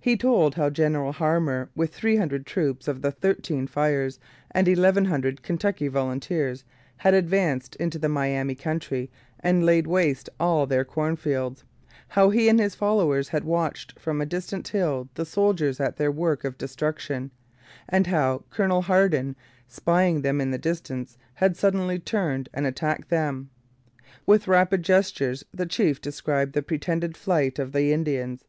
He told how General Harmar, with three hundred troops of the Thirteen Fires and eleven hundred Kentucky volunteers, had advanced into the Miami country and laid waste all their cornfields; how he and his followers had watched from a distant hill the soldiers at their work of destruction; and how Colonel Hardin, spying them in the distance, had suddenly turned and attacked them. With rapid gestures the chief described the pretended flight of the Indians.